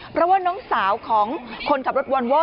เพราะว่าน้องสาวของคนขับรถวอนวอล